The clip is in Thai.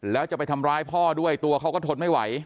แล้วจะไปทำร้ายพ่อด้วยตัวเขาก็ทนไม่ไหว